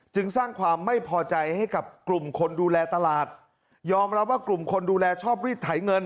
จึงสร้างความไม่พอใจให้กับกลุ่มคนดูแลตลาดยอมรับว่ากลุ่มคนดูแลชอบรีดไถเงิน